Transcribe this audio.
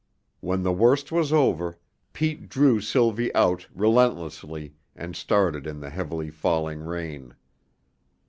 When the worst was over, Pete drew Sylvie out relentlessly and started in the heavily falling rain.